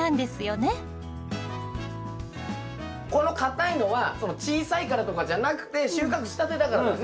この硬いのは小さいからとかじゃなくて収穫したてだからだね。